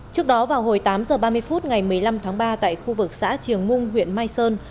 trước đó vào hồi tám h ba mươi phút ngày một mươi năm tháng ba tại khu vực xã triềng mung huyện mai sơn